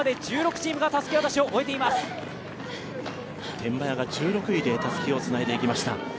天満屋が１６位でたすきをつないでいきました。